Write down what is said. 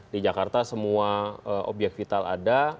di jakarta semua obyek vital ada